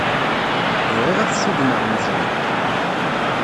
Bɣiɣ ad ssudneɣ Meẓyan.